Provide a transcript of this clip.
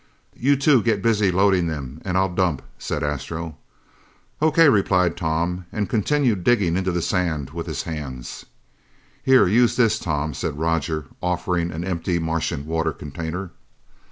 "You two get busy loading them, and I'll dump," said Astro. "O.K.," replied Tom and continued digging into the sand with his hands. "Here, use this, Tom," said Roger, offering an empty Martian water container.